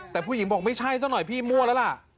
แต่ผู้หญิงบอกไม่ใช่ซะหน่อยพี่มั่วแล้วล่ะ